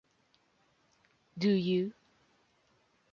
Do you?